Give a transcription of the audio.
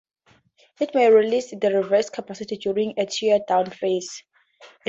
It may release the reserved capacity during a tear down phase.